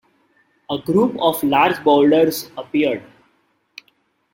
A group of large boulders appeared.